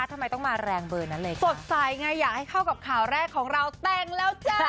ทำไมต้องมาแรงเบอร์นั้นเลยสดใสไงอยากให้เข้ากับข่าวแรกของเราแต่งแล้วจ้า